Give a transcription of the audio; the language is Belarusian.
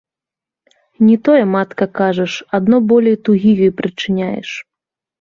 Не тое, матка, кажаш, адно болей тугі ёй прычыняеш.